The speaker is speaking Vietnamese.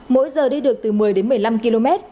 mỗi giờ đi được từ một mươi đến một mươi năm km